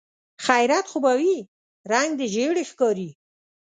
خيرت خو به وي؟ رنګ دې ژېړ ښکاري.